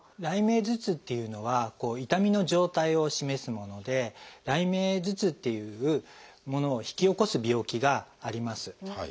雷鳴頭痛っていうのは痛みの状態を示すもので雷鳴頭痛っていうものを引き起こす病気があります。